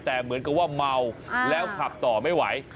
แต่เหมือนกับว่าเมาแล้วขับต่อไม่ไหว